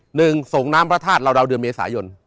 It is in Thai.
หนึ่งส่งน้ำพระทาสลาวเดือนเมษายน